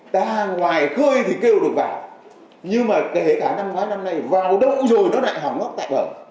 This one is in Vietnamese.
ta ngoài khơi thì kêu được vào nhưng mà kể cả năm nay vào đậu rồi nó lại hỏng ngất tại bờ